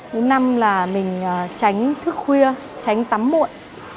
thứ năm là mình tránh thức khuya tránh tắm muộn